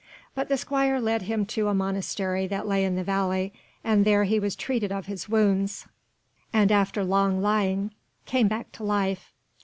But the squire led him to a monastery that lay in the valley, and there he was treated of his wounds, and after long lying came back to life.